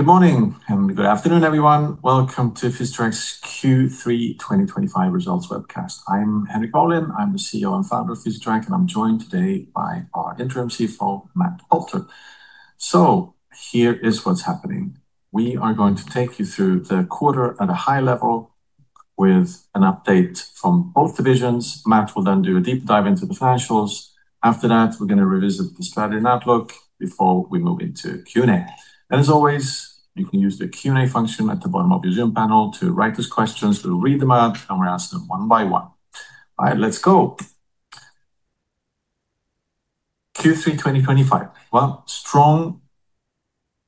Good morning and good afternoon, everyone. Welcome to Physitrack's Q3 2025 results webcast. I'm Henrik Molin. I'm the CEO and founder of Physitrack, and I'm joined today by our Interim CFO, Matt Poulter. Here is what's happening. We are going to take you through the quarter at a high level with an update from both divisions. Matt will then do a deep dive into the financials. After that, we're going to revisit the strategy and outlook before we move into Q&A. As always, you can use the Q&A function at the bottom of your Zoom panel to write those questions. We'll read them out and we'll answer them one by one. All right, let's go. Q3 2025. Strong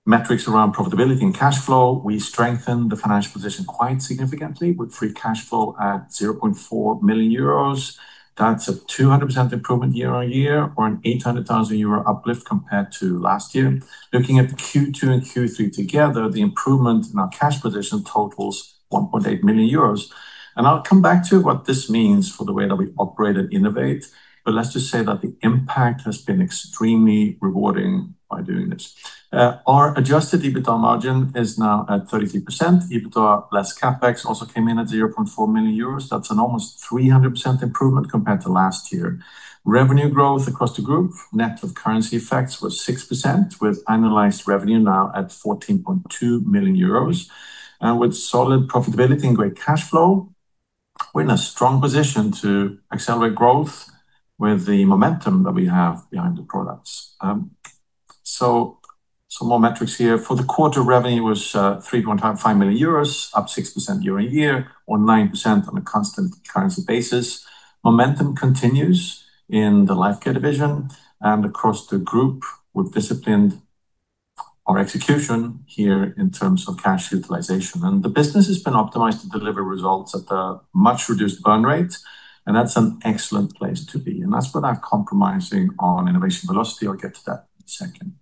metrics around profitability and cash flow. We strengthened the financial position quite significantly with free cash flow at 0.4 million euros. That's a 200% improvement year-on-year, or an 800,000 euro uplift compared to last year. Looking at Q2 and Q3 together, the improvement in our cash position totals 1.8 million euros. I'll come back to what this means for the way that we operate and innovate. Let's just say that the impact has been extremely rewarding by doing this. Our adjusted EBITDA margin is now at 33%. EBITDA less CAPEX also came in at 0.4 million euros. That's an almost 300% improvement compared to last year. Revenue growth across the group, net of currency effects, was 6%, with annualized revenue now at 14.2 million euros. With solid profitability and great cash flow, we're in a strong position to accelerate growth with the momentum that we have behind the products. Some more metrics here. For the quarter, revenue was 3.5 million euros, up 6% year-on-year, or 9% on a constant currency basis. Momentum continues in the Lifecare division and across the group with disciplined execution here in terms of cash utilization. The business has been optimized to deliver results at a much reduced burn rate. That's an excellent place to be. That's without compromising on innovation velocity. I'll get to that in a second.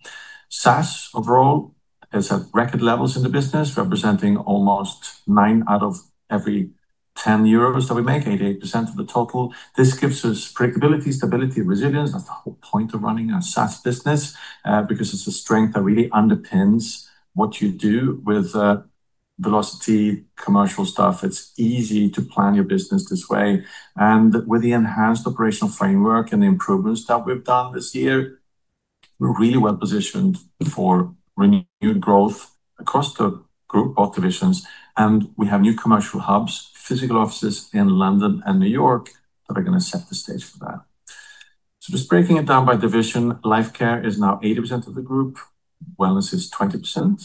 SaaS overall is at record levels in the business, representing almost nine out of every ten euros that we make, 88% of the total. This gives us predictability, stability, and resilience. That's the whole point of running our SaaS business, because it's a strength that really underpins what you do with velocity commercial stuff. It's easy to plan your business this way. With the enhanced operational framework and the improvements that we've done this year, we're really well positioned for renewed growth across the group, both divisions. We have new commercial hubs, physical offices in London and New York, that are going to set the stage for that. Breaking it down by division, Lifecare is now 80% of the group. Wellness is 20%.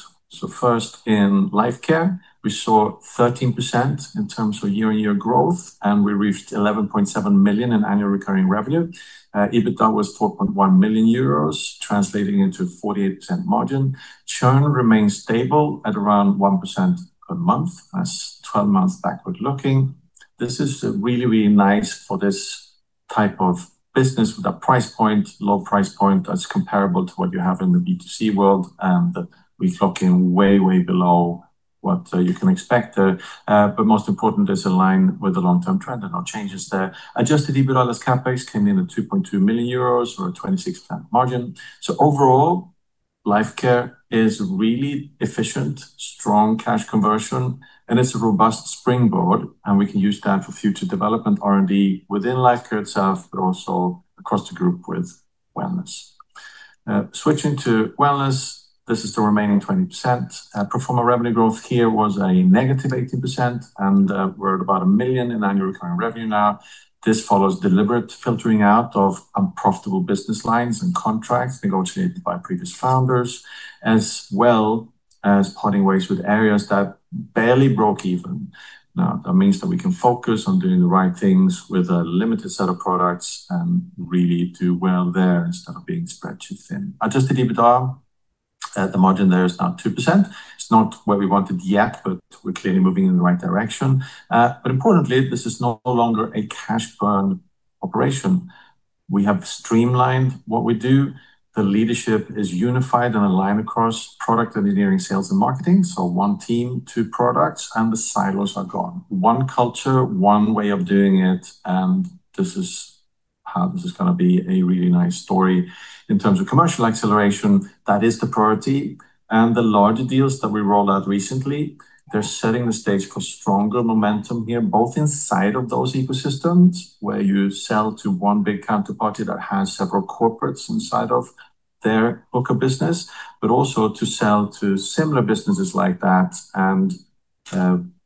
First in Lifecare, we saw 13% in terms of year-on-year growth, and we reached 11.7 million in ARR. EBITDA was 4.1 million euros, translating into a 48% margin. Churn remains stable at around 1% per month. That's 12 months backward looking. This is really, really nice for this type of business with a low price point that's comparable to what you have in the B2C world. We flock in way, way below what you can expect there. Most important, this aligns with the long-term trend and no changes there. Adjusted EBITDA less CAPEX came in at 2.2 million euros or a 26% margin. Overall, Lifecare is really efficient, strong cash conversion, and it's a robust springboard. We can use that for future development R&D within Lifecare itself, but also across the group with Wellness. Switching to Wellness, this is the remaining 20%. Pro forma revenue growth here was a negative 18%, and we're at about 1 million in ARR now. This follows deliberate filtering out of unprofitable business lines and contracts negotiated by previous founders, as well as parting ways with areas that barely broke even. That means we can focus on doing the right things with a limited set of products and really do well there instead of being spread too thin. Adjusted EBITDA, the margin there is now 2%. It's not where we want it yet, but we're clearly moving in the right direction. Importantly, this is no longer a cash burn operation. We have streamlined what we do. The leadership is unified and aligned across product engineering, sales, and marketing. One team, two products, and the silos are gone. One culture, one way of doing it. This is how this is going to be a really nice story in terms of commercial acceleration. That is the priority. The larger deals that we rolled out recently are setting the stage for stronger momentum here, both inside of those ecosystems where you sell to one big counterparty that has several corporates inside of their book of business, but also to sell to similar businesses like that.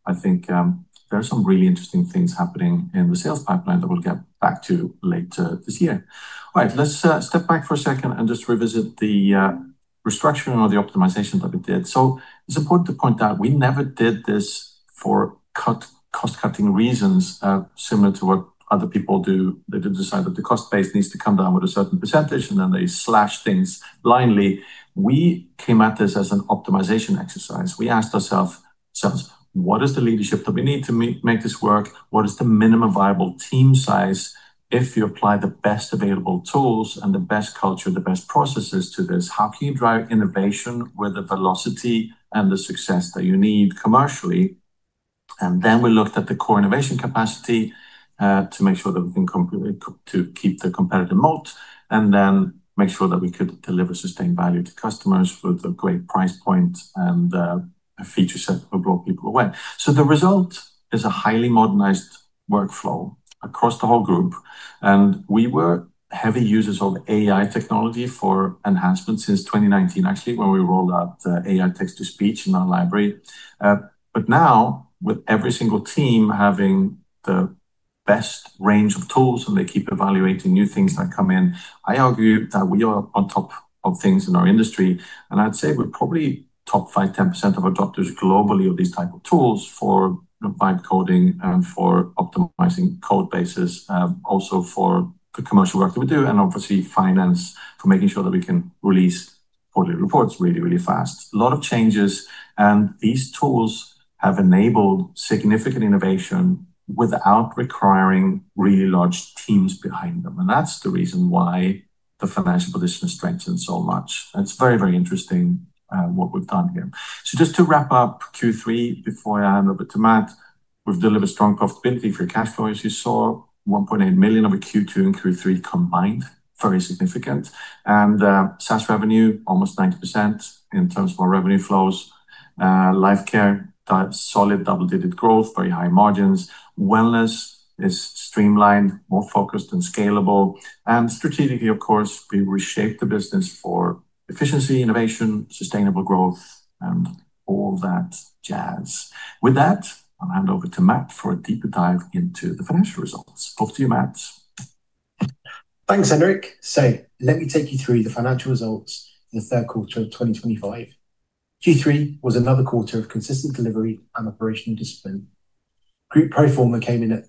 I think there are some really interesting things happening in the sales pipeline that we'll get back to later this year. All right, let's step back for a second and just revisit the restructuring or the optimization that we did. It's important to point out we never did this for cost-cutting reasons, similar to what other people do. They decide that the cost base needs to come down with a certain percentage, and then they slash things blindly. We came at this as an optimization exercise. We asked ourselves, what is the leadership that we need to make this work? What is the minimum viable team size? If you apply the best available tools and the best culture, the best processes to this, how can you drive innovation with the velocity and the success that you need commercially? We looked at the core innovation capacity to make sure that we can keep the competitive moat and then make sure that we could deliver sustained value to customers with a great price point and a feature set that would blow people away. The result is a highly modernized workflow across the whole group. We were heavy users of AI tools for enhancements since 2019, actually, when we rolled out AI text-to-speech in our library. Now, with every single team having the best range of tools, and they keep evaluating new things that come in, I argue that we are on top of things in our industry. I'd say we're probably top 5%, 10% of adopters globally of these types of tools for live coding and for optimizing code bases, also for the commercial work that we do, and obviously finance for making sure that we can release quarterly reports really, really fast. A lot of changes. These tools have enabled significant innovation without requiring really large teams behind them. That's the reason why the financial position has strengthened so much. It's very, very interesting what we've done here. Just to wrap up Q3, before I hand over to Matt, we've delivered strong profitability for your cash flow, as you saw, $1.8 million over Q2 and Q3 combined, very significant. SaaS revenue, almost 90% in terms of our revenue flows. Lifecare, that solid double-digit growth, very high margins. Wellness is streamlined, more focused, and scalable. Strategically, of course, we reshaped the business for efficiency, innovation, sustainable growth, and all that jazz. With that, I'll hand over to Matt for a deeper dive into the financial results. Over to you, Matt. Thanks, Henrik. Let me take you through the financial results in the third quarter of 2025. Q3 was another quarter of consistent delivery and operational discipline. Group Proformer came in at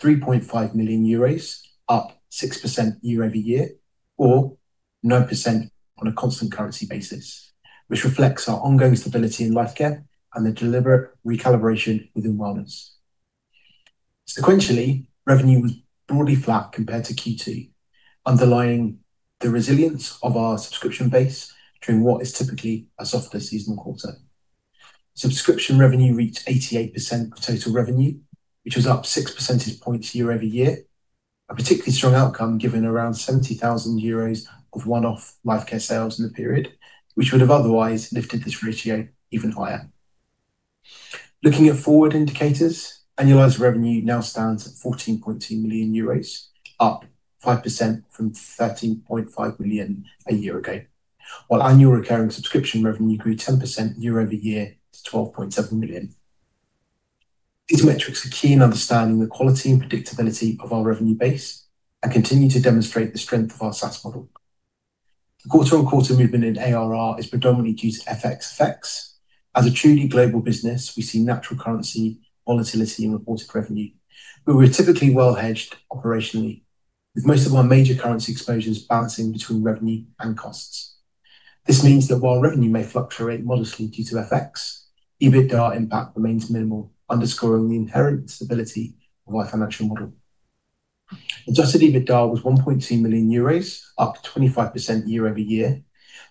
3.5 million euros, up 6% year-over-year, or 9% on a constant currency basis, which reflects our ongoing stability in Lifecare and the deliberate recalibration within Wellness. Sequentially, revenue was broadly flat compared to Q2, underlying the resilience of our subscription base during what is typically a softer seasonal quarter. Subscription revenue reached 88% of total revenue, which was up 6 percentage points year-over-year, a particularly strong outcome given around 70,000 euros of one-off Lifecare sales in the period, which would have otherwise lifted this ratio even higher. Looking at forward indicators, annualized revenue now stands at 14.2 million euros, up 5% from 13.5 million a year ago, while annual recurring subscription revenue grew 10% year-over-year to 12.7 million. These metrics are key in understanding the quality and predictability of our revenue base and continue to demonstrate the strength of our SaaS model. The quarter-on-quarter movement in ARR is predominantly due to FX effects. As a truly global business, we see natural currency volatility in reported revenue, but we're typically well-hedged operationally, with most of our major currency exposures balancing between revenue and costs. This means that while revenue may fluctuate modestly due to FX, EBITDA impact remains minimal, underscoring the inherent stability of our financial model. Adjusted EBITDA was 1.2 million euros, up 25% year-over-year,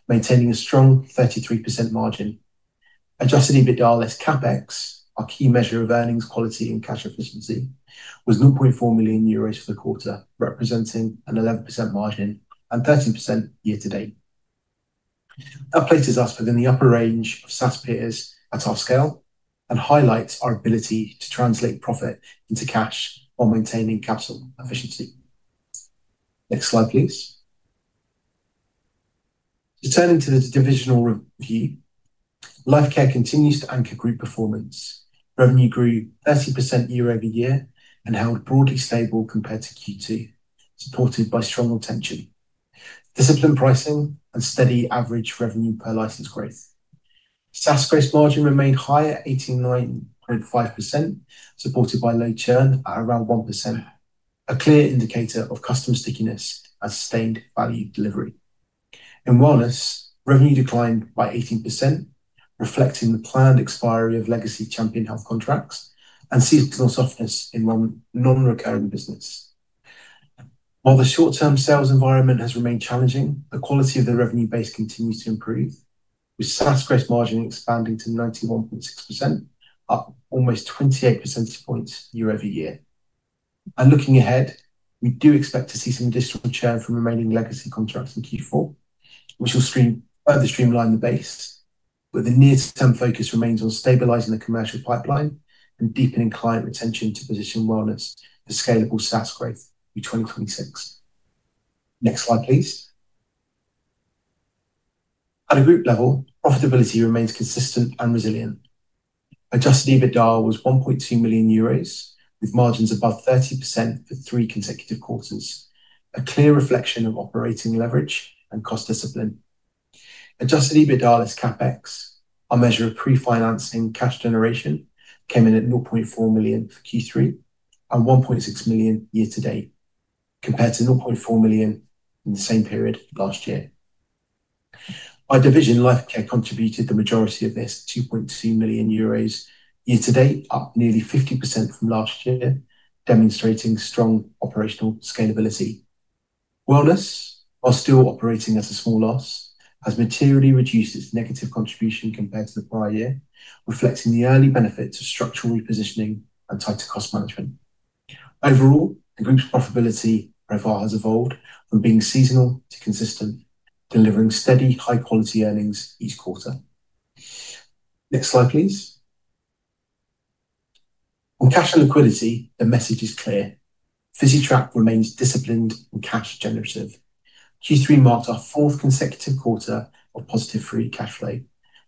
maintaining a strong 33% margin. Adjusted EBITDA less CAPEX, our key measure of earnings quality and cash efficiency, was 0.4 million euros for the quarter, representing an 11% margin and 13% year to date. That places us within the upper range of SaaS peers at our scale and highlights our ability to translate profit into cash while maintaining capital efficiency. Next slide, please. Turning to the divisional review, Lifecare continues to anchor group performance. Revenue grew 30% year-over-year and held broadly stable compared to Q2, supported by strong retention, disciplined pricing, and steady average revenue per license growth. SaaS gross margin remained high at 89.5%, supported by low churn at around 1%, a clear indicator of customer stickiness and sustained value delivery. In Wellness, revenue declined by 18%, reflecting the planned expiry of legacy Champion Health contracts and seasonal softness in non-recurring business. While the short-term sales environment has remained challenging, the quality of the revenue base continues to improve, with SaaS gross margin expanding to 91.6%, up almost 28 percentage points year-over-year. Looking ahead, we do expect to see some additional churn from remaining legacy contracts in Q4, which will further streamline the base. The near-term focus remains on stabilizing the commercial pipeline and deepening client retention to position Wellness for scalable SaaS growth in 2026. Next slide, please. At a group level, profitability remains consistent and resilient. Adjusted EBITDA was 1.2 million euros, with margins above 30% for three consecutive quarters, a clear reflection of operating leverage and cost discipline. Adjusted EBITDA less CAPEX, our measure of pre-financing cash generation, came in at €0.4 million for Q3 and 1.6 million year to date, compared to 0.4 million in the same period last year. By division, Lifecare contributed the majority of this, 2.2 million euros year to date, up nearly 50% from last year, demonstrating strong operational scalability. Wellness, while still operating at a small loss, has materially reduced its negative contribution compared to the prior year, reflecting the early benefits of structural repositioning and tighter cost management. Overall, the group's profitability profile has evolved from being seasonal to consistent, delivering steady, high-quality earnings each quarter. Next slide, please. On cash and liquidity, the message is clear. Physitrack remains disciplined and cash generative. Q3 marked our fourth consecutive quarter of positive free cash flow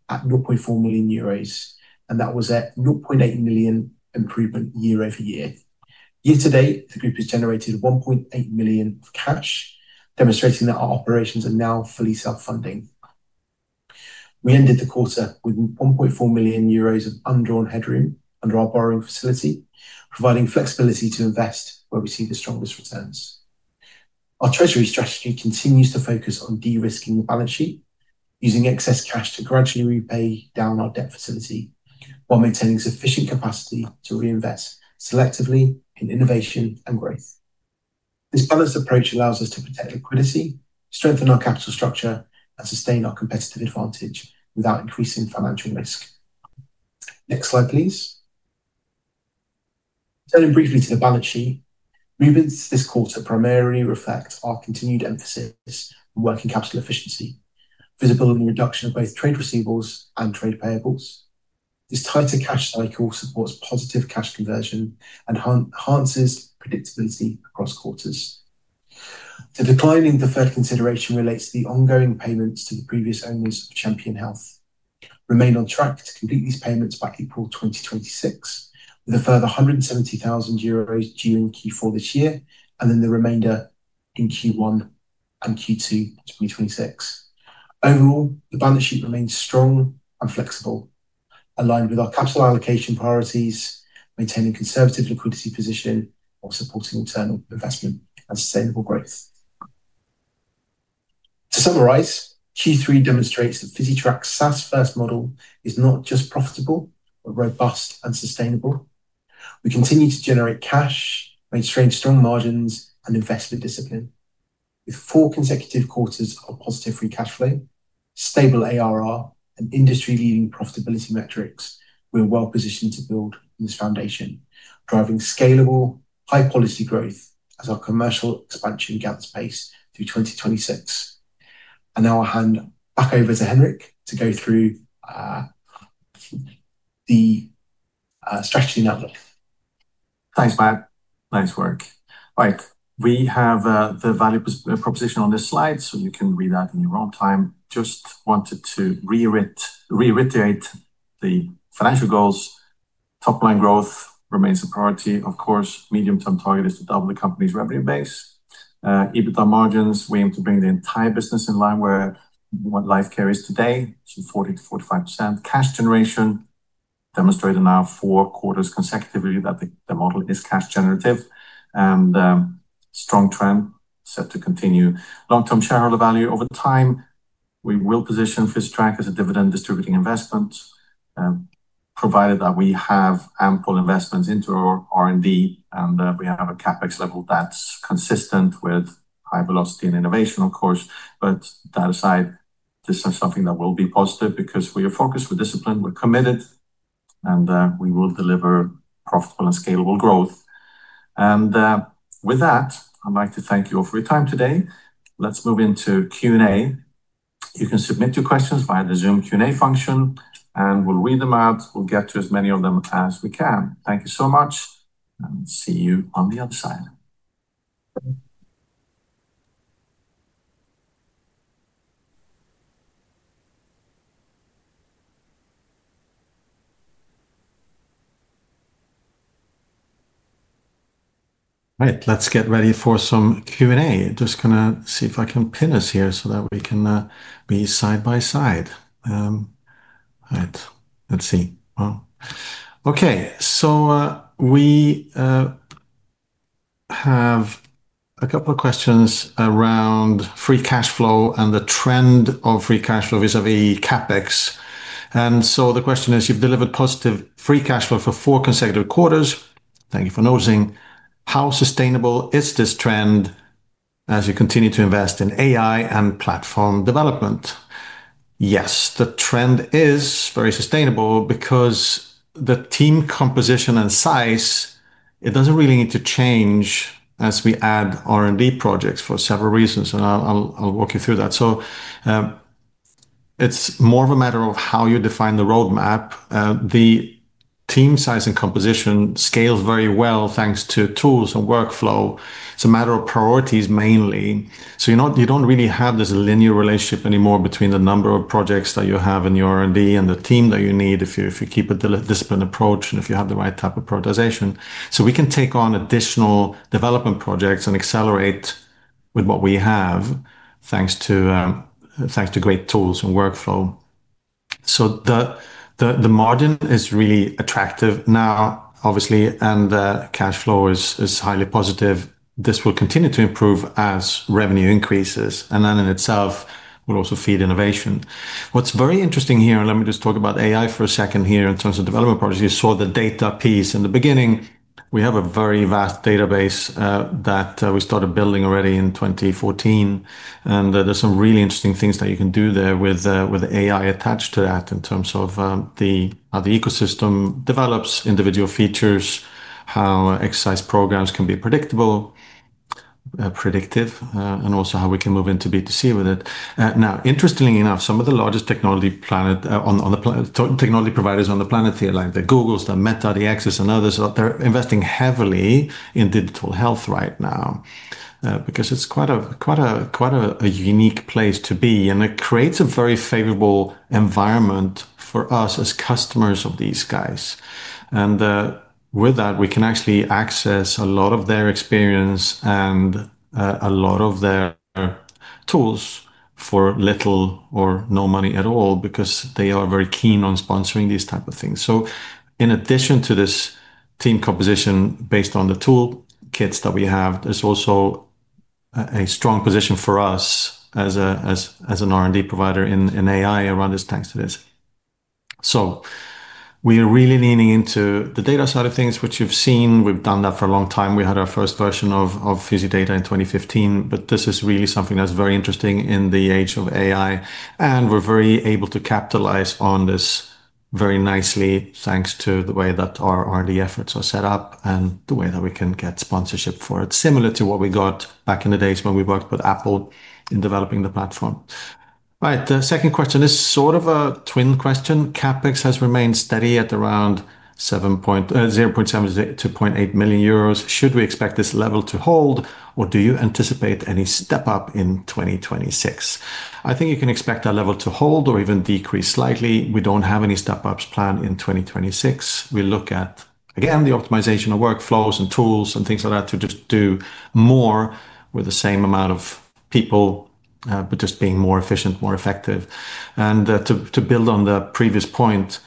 at 0.4 million euros, and that was a 0.8 million improvement year-over-year. Year to date, the group has generated 1.8 million of cash, demonstrating that our operations are now fully self-funding. We ended the quarter with 1.4 million euros of undrawn headroom under our borrowing facility, providing flexibility to invest where we see the strongest returns. Our treasury strategy continues to focus on de-risking the balance sheet, using excess cash to gradually repay down our debt facility while maintaining sufficient capacity to reinvest selectively in innovation and growth. This balanced approach allows us to protect liquidity, strengthen our capital structure, and sustain our competitive advantage without increasing financial risk. Next slide, please. Turning briefly to the balance sheet, movements this quarter primarily reflect our continued emphasis on working capital efficiency, visibility, and reduction of both trade receivables and trade payables. This tighter cash cycle supports positive cash conversion and enhances predictability across quarters. The declining preferred consideration relates to the ongoing payments to the previous owners of Champion Health. We remain on track to complete these payments by April 2026, with a further 170,000 euros due in Q4 this year, and then the remainder in Q1 and Q2 2026. Overall, the balance sheet remains strong and flexible, aligned with our capital allocation priorities, maintaining a conservative liquidity position while supporting internal investment and sustainable growth. To summarize, Q3 demonstrates that Physitrack's SaaS-first model is not just profitable, but robust and sustainable. We continue to generate cash, maintain strong margins, and investment discipline. With four consecutive quarters of positive free cash flow, stable ARR, and industry-leading profitability metrics, we're well positioned to build on this foundation, driving scalable, high-quality growth as our commercial expansion gaps pace through 2026. I'll hand back over to Henrik to go through the strategy and outlook. Thanks, Matt. Nice work. All right, we have the value proposition on this slide, so you can read that in your own time. Just wanted to reiterate the financial goals. Top-line growth remains a priority, of course. Medium-term target is to double the company's revenue base. EBITDA margins, we aim to bring the entire business in line with what Lifecare is today, so 40%-45%. Cash generation demonstrated now four quarters consecutively that the model is cash generative, and a strong trend set to continue. Long-term shareholder value over time, we will position Physitrack as a dividend distributing investment, provided that we have ample investments into our R&D and we have a CAPEX level that's consistent with high velocity and innovation, of course. That aside, this is something that will be positive because we are focused, we're disciplined, we're committed, and we will deliver profitable and scalable growth. With that, I'd like to thank you all for your time today. Let's move into Q&A. You can submit your questions via the Zoom Q&A function, and we'll read them out. We'll get to as many of them as we can. Thank you so much, and see you on the other side. Right, let's get ready for some Q&A. I'm just going to see if I can pin us here so that we can be side by side. All right, let's see. Okay, we have a couple of questions around free cash flow and the trend of free cash flow vis-à-vis CAPEX. The question is, you've delivered positive free cash flow for four consecutive quarters. Thank you for noticing. How sustainable is this trend as you continue to invest in AI tools and platform development? Yes, the trend is very sustainable because the team composition and size, it doesn't really need to change as we add R&D projects for several reasons, and I'll walk you through that. It's more of a matter of how you define the roadmap. The team size and composition scale very well thanks to tools and workflow. It's a matter of priorities mainly. You don't really have this linear relationship anymore between the number of projects that you have in your R&D and the team that you need if you keep a disciplined approach and if you have the right type of prioritization. We can take on additional development projects and accelerate with what we have, thanks to great tools and workflow. The margin is really attractive now, obviously, and cash flow is highly positive. This will continue to improve as revenue increases, and then in itself will also feed innovation. What's very interesting here, and let me just talk about AI for a second here in terms of development projects. You saw the data piece in the beginning. We have a very vast database that we started building already in 2014, and there's some really interesting things that you can do there with AI attached to that in terms of how the ecosystem develops, individual features, how exercise programs can be predictable, predictive, and also how we can move into B2C with it. Interestingly enough, some of the largest technology providers on the planet here, like the Googles, the Meta, the Access, and others, they're investing heavily in digital health right now because it's quite a unique place to be, and it creates a very favorable environment for us as customers of these guys. With that, we can actually access a lot of their experience and a lot of their tools for little or no money at all because they are very keen on sponsoring these types of things. In addition to this team composition based on the tool kits that we have, there's also a strong position for us as an R&D provider in AI around this thanks to this. We are really leaning into the data side of things, which you've seen. We've done that for a long time. We had our first version of Fusidata in 2015, but this is really something that's very interesting in the age of AI, and we're very able to capitalize on this very nicely thanks to the way that our R&D efforts are set up and the way that we can get sponsorship for it, similar to what we got back in the days when we worked with Apple in developing the platform. The second question is sort of a twin question. CAPEX has remained steady at around 0.7 million-0.8 million euros. Should we expect this level to hold, or do you anticipate any step up in 2026? I think you can expect that level to hold or even decrease slightly. We don't have any step ups planned in 2026. We look at, again, the optimization of workflows and tools and things like that to just do more with the same amount of people, but just being more efficient, more effective. To build on the previous point,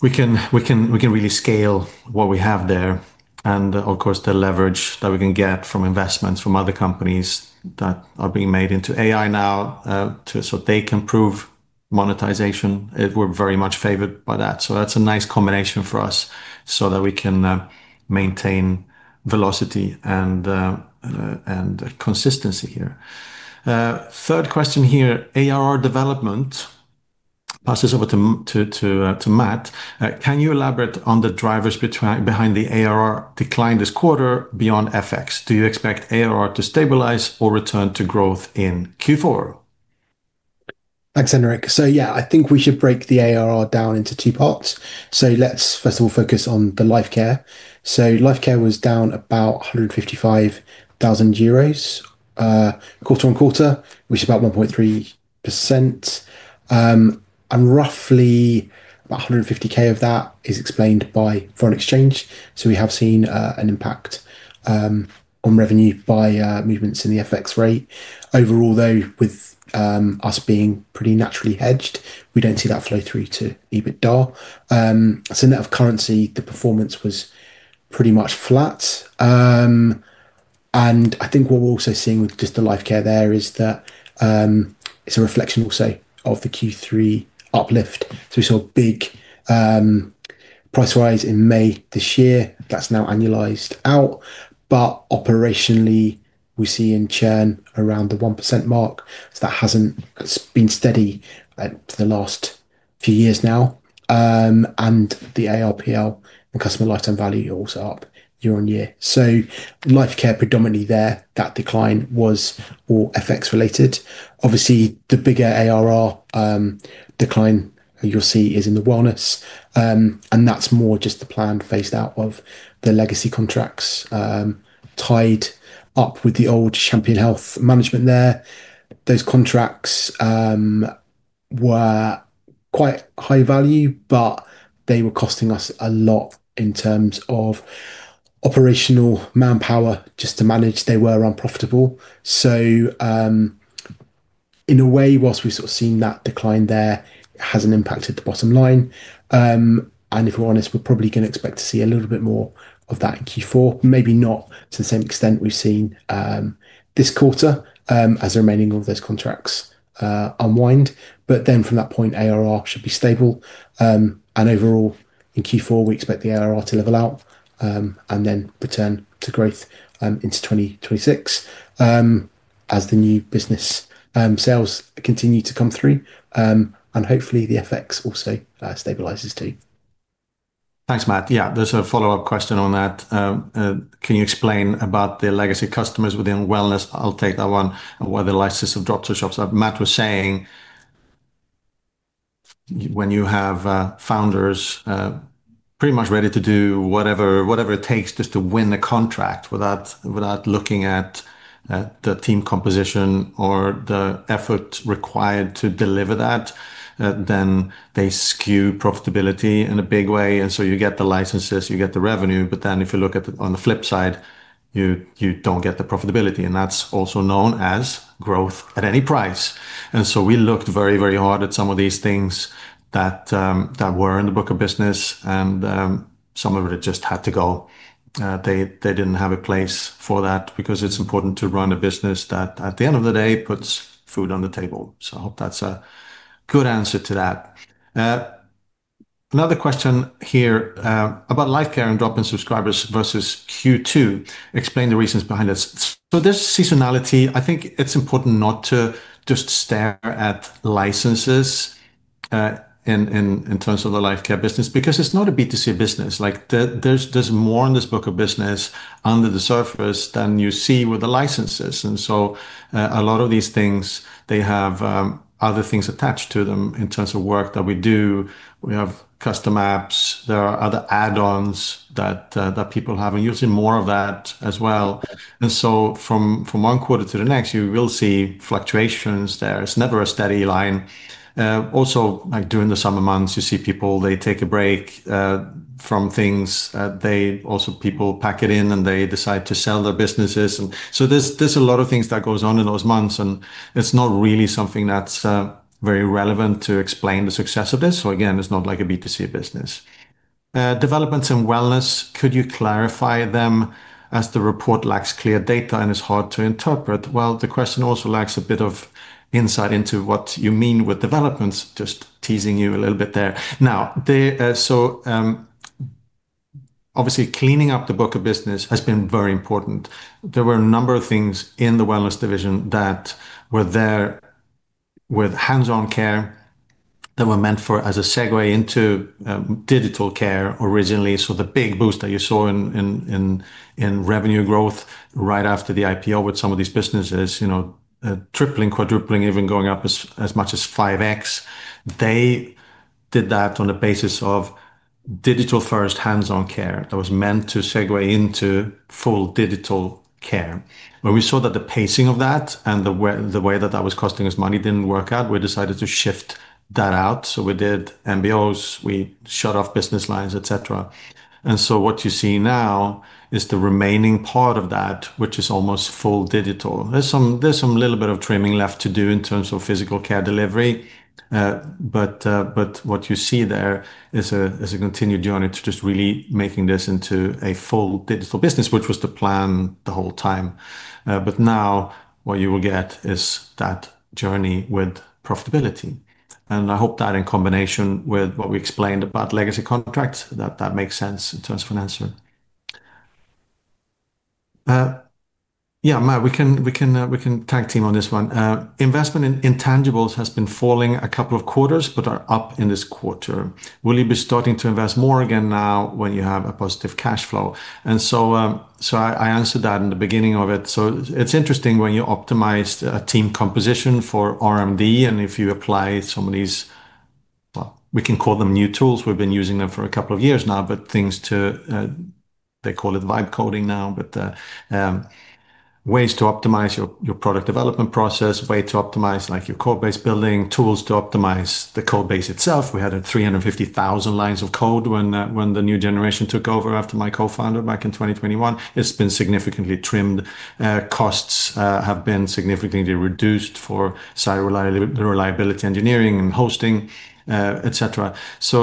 we can really scale what we have there, and of course, the leverage that we can get from investments from other companies that are being made into AI now, so they can prove monetization. We're very much favored by that. That's a nice combination for us so that we can maintain velocity and consistency here. Third question here, ARR development. Pass this over to Matt. Can you elaborate on the drivers behind the ARR decline this quarter beyond FX? Do you expect ARR to stabilize or return to growth in Q4? Thanks, Henrik. I think we should break the ARR down into two parts. Let's, first of all, focus on the Lifecare. Lifecare was down about 155,000 euros quarter-on-quarter, which is about 1.3%. Roughly about 150,000 of that is explained by foreign exchange. We have seen an impact on revenue by movements in the FX rate. Overall, though, with us being pretty naturally hedged, we don't see that flow through to EBITDA. In that of currency, the performance was pretty much flat. I think what we're also seeing with just the Lifecare there is that it's a reflection also of the Q3 uplift. We saw a big price rise in May this year. That's now annualized out. Operationally, we see churn around the 1% mark. That has been steady for the last few years now. The ARPL and customer lifetime value are also up year-on-year. Lifecare predominantly there, that decline was all FX related. Obviously, the bigger ARR decline you'll see is in the Wellness. That's more just the planned phase-out of the legacy contracts tied up with the old Champion Health management there. Those contracts were quite high value, but they were costing us a lot in terms of operational manpower just to manage. They were unprofitable. In a way, whilst we've sort of seen that decline there, it hasn't impacted the bottom line. If we're honest, we're probably going to expect to see a little bit more of that in Q4. Maybe not to the same extent we've seen this quarter as the remaining of those contracts unwind. From that point, ARR should be stable. Overall, in Q4, we expect the ARR to level out and then return to growth into 2026 as the new business sales continue to come through. Hopefully, the FX also stabilizes too. Thanks, Matt. Yeah, there's a follow-up question on that. Can you explain about the legacy customers within Wellness? I'll take that one. What are the likes of dropship shops? Matt was saying when you have founders pretty much ready to do whatever it takes just to win a contract without looking at the team composition or the effort required to deliver that, then they skew profitability in a big way. You get the licenses, you get the revenue, but if you look at it on the flip side, you don't get the profitability. That's also known as growth at any price. We looked very, very hard at some of these things that were in the book of business, and some of it just had to go. They didn't have a place for that because it's important to run a business that at the end of the day puts food on the table. I hope that's a good answer to that. Another question here about Lifecare and dropping subscribers versus Q2. Explain the reasons behind this. There's seasonality. I think it's important not to just stare at licenses in terms of the Lifecare business because it's not a B2C business. There's more in this book of business under the surface than you see with the licenses. A lot of these things have other things attached to them in terms of work that we do. We have custom apps. There are other add-ons that people have, and you'll see more of that as well. From one quarter to the next, you will see fluctuations there. It's never a steady line. Also, during the summer months, you see people, they take a break from things. People pack it in and they decide to sell their businesses. There's a lot of things that go on in those months, and it's not really something that's very relevant to explain the success of this. Again, it's not like a B2C business. Developments in Wellness, could you clarify them as the report lacks clear data and is hard to interpret? The question also lacks a bit of insight into what you mean with developments, just teasing you a little bit there. Obviously, cleaning up the book of business has been very important. There were a number of things in the Wellness division that were there with hands-on care that were meant for as a segue into digital care originally. The big boost that you saw in revenue growth right after the IPO with some of these businesses, tripling, quadrupling, even going up as much as 5X. They did that on the basis of digital-first hands-on care that was meant to segue into full digital care. When we saw that the pacing of that and the way that that was costing us money didn't work out, we decided to shift that out. We did MBOs, we shut off business lines, et cetera. What you see now is the remaining part of that, which is almost full digital. There's some little bit of trimming left to do in terms of physical care delivery. What you see there is a continued journey to just really making this into a full digital business, which was the plan the whole time. Now what you will get is that journey with profitability. I hope that in combination with what we explained about legacy contracts, that that makes sense in terms of financing. Yeah, Matt, we can tag team on this one. Investment in intangibles has been falling a couple of quarters, but are up in this quarter. Will you be starting to invest more again now when you have a positive cash flow? I answered that in the beginning of it. It's interesting when you optimize a team composition for RMD, and if you apply some of these, we can call them new tools. We've been using them for a couple of years now, but things to, they call it vibe coding now, but ways to optimize your product development process, way to optimize like your code base building, tools to optimize the code base itself. We had 350,000 lines of code when the new generation took over after my co-founder back in 2021. It's been significantly trimmed. Costs have been significantly reduced for site reliability engineering and hosting, et cetera. It's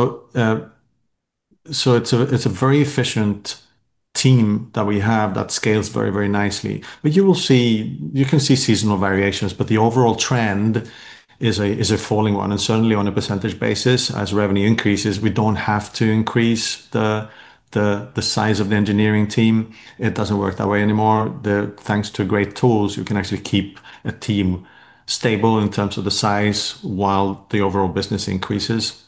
a very efficient team that we have that scales very, very nicely. You can see seasonal variations, but the overall trend is a falling one, and certainly on a percentage basis, as revenue increases, we don't have to increase the size of the engineering team. It doesn't work that way anymore. Thanks to great tools, you can actually keep a team stable in terms of the size while the overall business increases.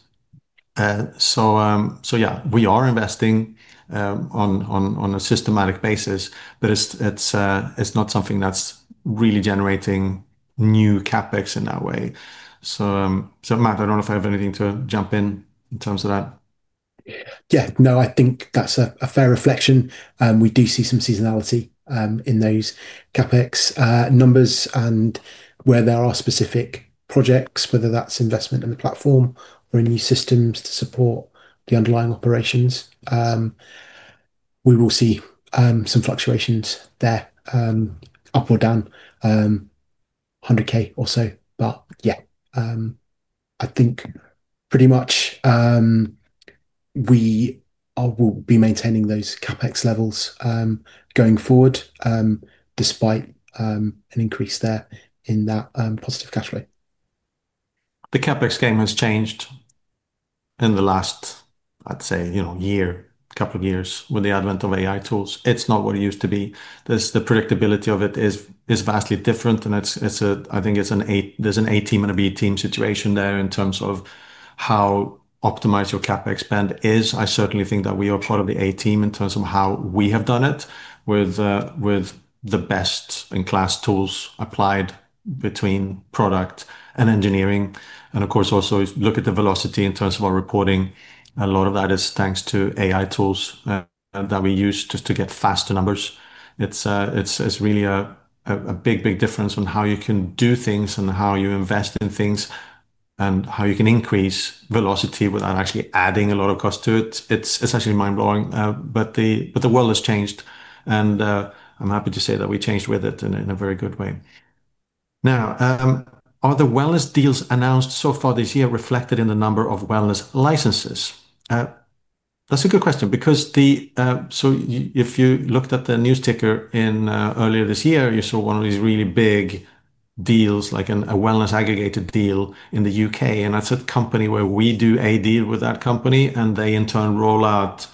Yeah, we are investing on a systematic basis, but it's not something that's really generating new CAPEX in that way. Matt, I don't know if I have anything to jump in in terms of that. Yeah, no, I think that's a fair reflection. We do see some seasonality in those CAPEX numbers and where there are specific projects, whether that's investment in the platform or in new systems to support the underlying operations. We will see some fluctuations there, up or down, $100,000 or so. Yeah, I think pretty much we will be maintaining those CAPEX levels going forward, despite an increase there in that positive cash flow. The CAPEX game has changed in the last, I'd say, you know, year, a couple of years with the advent of AI tools. It's not what it used to be. The predictability of it is vastly different, and I think there's an A-team and a B-team situation there in terms of how optimized your CAPEX spend is. I certainly think that we are part of the A-team in terms of how we have done it with the best-in-class tools applied between product and engineering. Of course, also look at the velocity in terms of our reporting. A lot of that is thanks to AI tools that we use just to get faster numbers. It's really a big, big difference on how you can do things and how you invest in things and how you can increase velocity without actually adding a lot of cost to it. It's actually mind-blowing. The world has changed, and I'm happy to say that we changed with it in a very good way. Now, are the Wellness deals announced so far this year reflected in the number of Wellness licenses? That's a good question because if you looked at the news ticker earlier this year, you saw one of these really big deals, like a Wellness aggregated deal in the UK. That's a company where we do a deal with that company, and they in turn roll out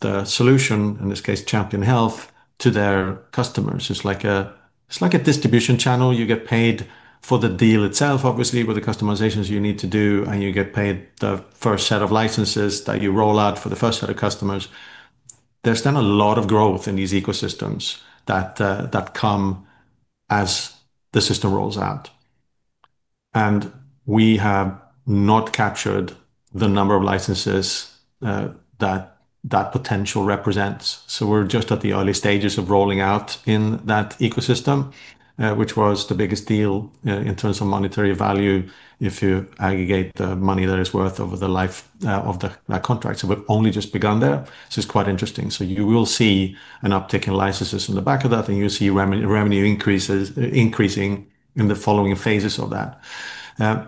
the solution, in this case, Champion Health, to their customers. It's like a distribution channel. You get paid for the deal itself, obviously, with the customizations you need to do, and you get paid the first set of licenses that you roll out for the first set of customers. There's been a lot of growth in these ecosystems that come as the system rolls out. We have not captured the number of licenses that that potential represents. We are just at the early stages of rolling out in that ecosystem, which was the biggest deal in terms of monetary value if you aggregate the money that it's worth over the life of that contract. We've only just begun there. It's quite interesting. You will see an uptick in licenses in the back of that, and you'll see revenue increases increasing in the following phases of that.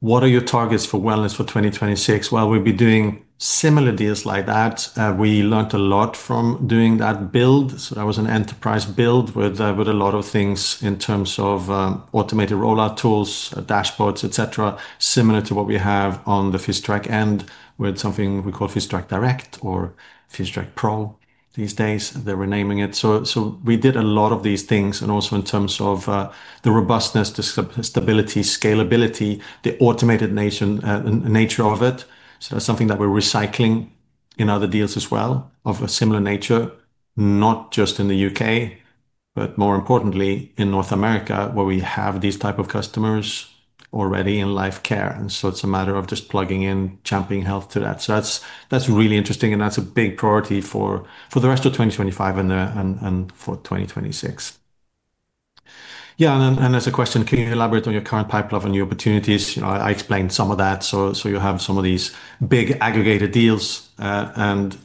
What are your targets for Wellness for 2026? We will be doing similar deals like that. We learned a lot from doing that build. That was an enterprise build with a lot of things in terms of automated rollout tools, dashboards, et cetera, similar to what we have on the Physitrack end with something we call Physitrack Direct or Physitrack Pro these days. They're renaming it. We did a lot of these things, also in terms of the robustness, stability, scalability, the automated nature of it. That is something that we're recycling in other deals as well of a similar nature, not just in the UK, but more importantly in North America, where we have these types of customers already in Lifecare. It is a matter of just plugging in Champion Health to that. That is really interesting, and that's a big priority for the rest of 2025 and for 2026. There is a question: Can you elaborate on your current pipeline of new opportunities? I explained some of that. You have some of these big aggregated deals, and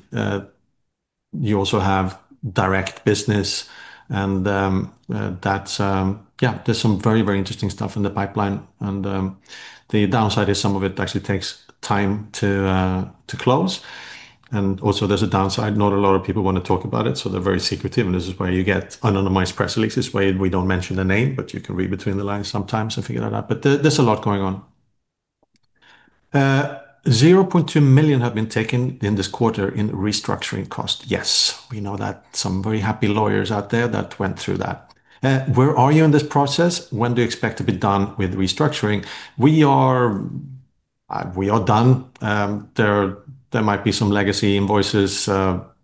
you also have direct business. There is some very, very interesting stuff in the pipeline. The downside is some of it actually takes time to close. There is also a downside, not a lot of people want to talk about it. They are very secretive, and this is where you get anonymized press releases. We don't mention the name, but you can read between the lines sometimes and figure that out. There is a lot going on. $0.2 million have been taken in this quarter in restructuring cost. Yes, we know that. Some very happy lawyers out there went through that. Where are you in this process? When do you expect to be done with restructuring? We are done. There might be some legacy invoices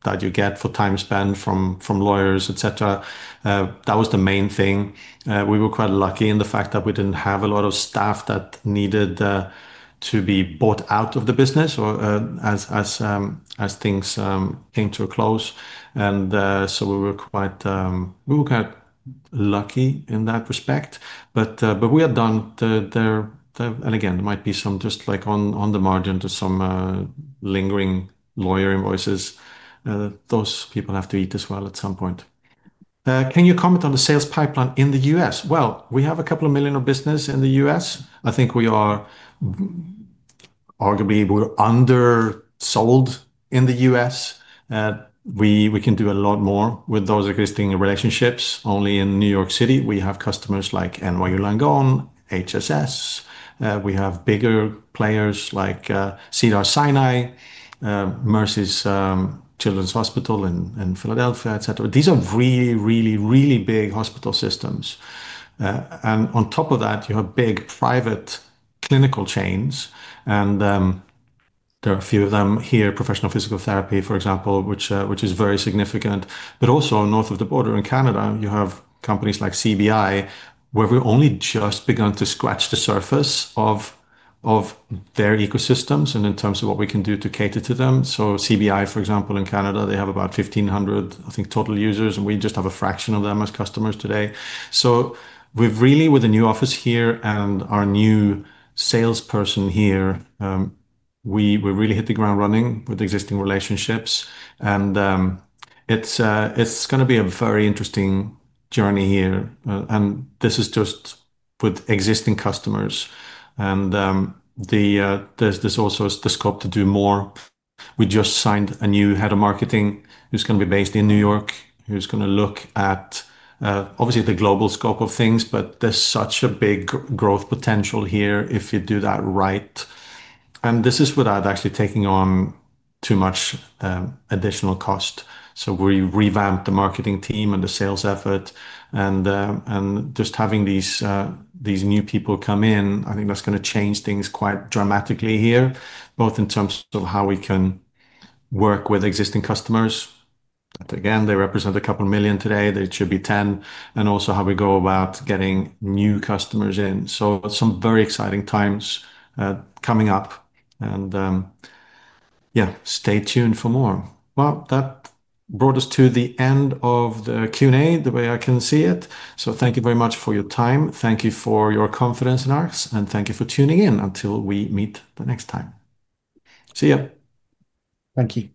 that you get for time spent from lawyers, etc. That was the main thing. We were quite lucky in the fact that we didn't have a lot of staff that needed to be bought out of the business or as things came to a close. We were quite lucky in that respect. We are done. Again, there might be just on the margin some lingering lawyer invoices. Those people have to eat as well at some point. Can you comment on the sales pipeline in the U.S.? We have a couple of million of business in the U.S. I think we are arguably undersold in the U.S. We can do a lot more with those existing relationships. Only in New York City, we have customers like NYU Langone, HSS, we have bigger players like Cedars-Sinai, Mercy's Children's Hospital in Philadelphia, etc. These are really, really, really big hospital systems. On top of that, you have big private clinical chains. There are a few of them here, Professional Physical Therapy, for example, which is very significant. Also north of the border in Canada, you have companies like CBI, where we've only just begun to scratch the surface of their ecosystems in terms of what we can do to cater to them. CBI, for example, in Canada, has about 1,500, I think, total users, and we just have a fraction of them as customers today. With a new office here and our new salesperson here, we really hit the ground running with existing relationships. It's going to be a very interesting journey here. This is just with existing customers. There's also the scope to do more. We just signed a new Head of Marketing who's going to be based in New York, who's going to look at, obviously, the global scope of things, but there's such a big growth potential here if you do that right. This is without actually taking on too much additional cost. We revamped the marketing team and the sales effort. Just having these new people come in, I think that's going to change things quite dramatically here, both in terms of how we can work with existing customers. They represent a couple million today. They should be $10 million. Also, how we go about getting new customers in. Some very exciting times coming up. Stay tuned for more. That brought us to the end of the Q&A, the way I can see it. Thank you very much for your time. Thank you for your confidence in us. Thank you for tuning in until we meet the next time. See you. Thank you.